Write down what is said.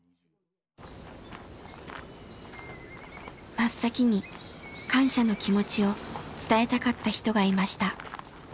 真っ先に感謝の気持ちを伝えたかった人がいました。